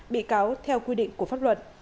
bị cáo theo quy định của pháp luật